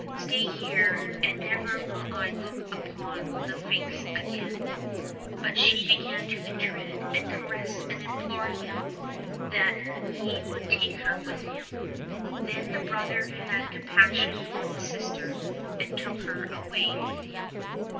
Stay here, and never will I look upon thy face again !" But she began to entreat and caress and implore him that he would take her with him. Then the brother had compassion on his sister and took her away with him.